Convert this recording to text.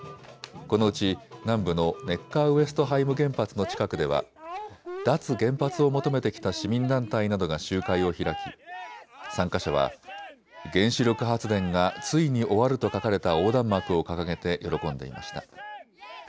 このうち南部のネッカーウェストハイム原発の近くでは脱原発を求めてきた市民団体などが集会を開き参加者は原子力発電がついに終わると書かれた横断幕を掲げて喜んでいました。